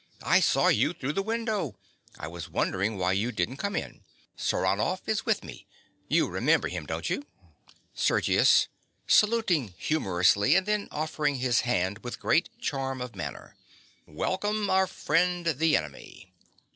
_) I saw you through the window. I was wondering why you didn't come in. Saranoff is with me: you remember him, don't you? SERGIUS. (saluting humorously, and then offering his hand with great charm of manner). Welcome, our friend the enemy!